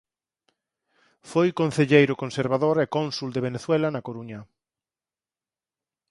Foi concelleiro conservador e cónsul de Venezuela na Coruña.